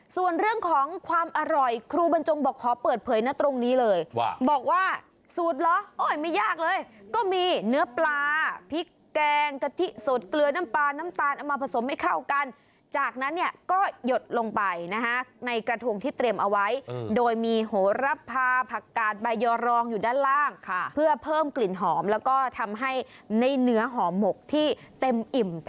ส่วนเรื่องของความอร่อยครูบรรจงบอกขอเปิดเผยนะตรงนี้เลยว่าบอกว่าสูตรเหรอโอ้ยไม่ยากเลยก็มีเนื้อปลาพริกแกงกะทิสดเกลือน้ำปลาน้ำตาลเอามาผสมให้เข้ากันจากนั้นเนี่ยก็หยดลงไปนะฮะในกระทงที่เตรียมเอาไว้โดยมีโหรับพาผักกาดใบยอรองอยู่ด้านล่างเพื่อเพิ่มกลิ่นหอมแล้วก็ทำให้ในเนื้อหอมหมกที่เต็มอิ่ม